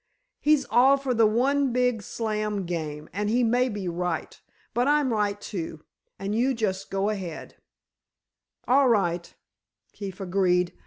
He's all for the one big slam game, and he may be right. But I'm right, too, and you just go ahead." "All right," Keefe agreed.